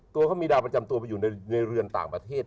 ตัวเขามีดาวประจำตัวไปอยู่ในเรือนต่างประเทศ